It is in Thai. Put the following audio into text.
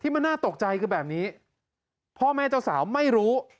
มันน่าตกใจคือแบบนี้พ่อแม่เจ้าสาวไม่รู้